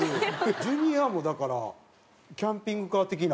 ジュニアもだからキャンピングカー的な。